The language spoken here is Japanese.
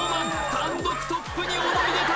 単独トップに躍り出た！